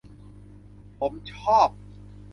ผมชอบ